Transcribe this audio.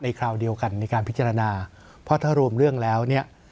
คราวเดียวกันในการพิจารณาเพราะถ้ารวมเรื่องแล้วเนี่ย